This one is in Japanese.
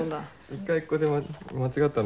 １回ここで間違ったの。